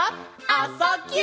「あ・そ・ぎゅ」